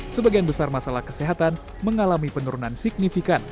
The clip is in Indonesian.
sebagian besar masalah kesehatan mengalami penurunan signifikan